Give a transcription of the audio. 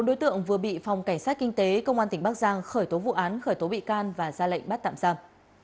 năm đối tượng vừa bị phòng cảnh sát kinh tế công an tỉnh bắc giang khởi tố vụ án khởi tố bị can và ra lệnh bắt tạm giam